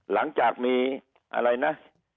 หลังจากมีอะไรนะ